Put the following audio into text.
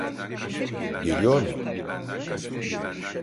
Geliyor mu?